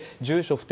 不定